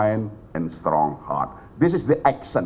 ini adalah aksi yang kita lakukan